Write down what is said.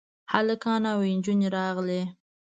هلکان او نجونې راغلې.